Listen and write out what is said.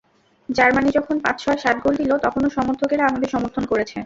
Germany যখন পাঁচ, ছয়, সাত গোল দিল, তখনো সমর্থকেরা আমাদের সমর্থন করেছে।